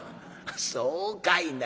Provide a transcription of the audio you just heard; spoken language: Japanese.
「そうかいな。